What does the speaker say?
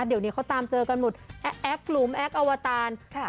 เดี๋ยวนี้เขาตามเจอกันหมดแอ๊กหลุมแอคอวตารค่ะ